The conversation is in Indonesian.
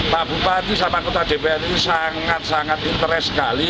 pak bupati sama kota dpni sangat sangat interes sekali